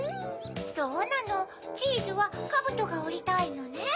そうなのチーズはかぶとがおりたいのね。